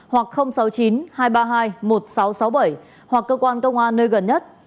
hoặc sáu mươi chín hai trăm ba mươi hai một nghìn sáu trăm sáu mươi bảy hoặc cơ quan công an nơi gần nhất